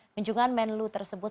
kunjungan menlu tersebut